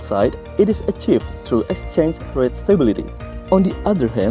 sedangkan dari sisi luar ini dilakukan melalui stabilitas harga percobaan